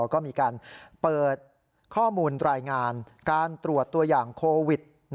ก็มีการเปิดข้อมูลรายงานการตรวจตัวอย่างโควิด